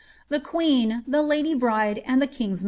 The queen, the lady bride, and the king's n.